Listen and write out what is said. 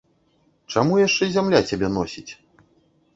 Чаму яшчэ зямля цябе носіць?